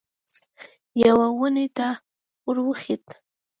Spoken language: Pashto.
یوې ونې ته ور وښوېد.